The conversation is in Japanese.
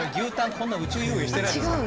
こんな宇宙遊泳してないですから。